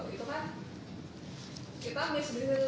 itu kan kita misbeli itu tuh